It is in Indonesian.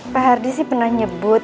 pak hardy sih pernah nyebut